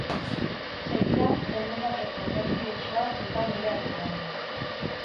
Segidan mendebaldeko erdi osoa zeukan bere atzean.